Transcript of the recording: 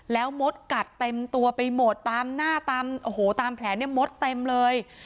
แล้วมดกัดเต็มตัวไปหมดตามหน้าตามโอ้โหตามแผลเนี่ยมดเต็มเลย